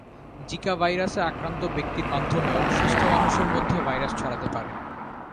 Zika ভাইরাসে আক্রান্ত ব্যক্তির মাধ্যমেও সুস্থ মানুষের মধ্যে ভাইরাস ছড়াতে পারে।